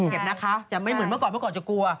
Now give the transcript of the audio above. เก็บนะคะจะไม่เหมือนเมื่อก่อนเมื่อก่อนจะกลัว